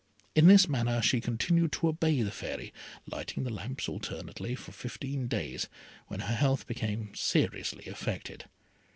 In this manner she continued to obey the Fairy, lighting the lamps alternately for fifteen days, when her health became seriously affected.